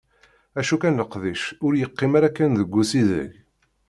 Acu kan, leqdic ur yeqqim ara kan deg usideg.